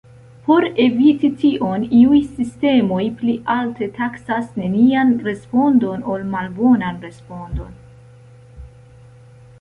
Por eviti tion, iuj sistemoj pli alte taksas nenian respondon ol malbonan respondon.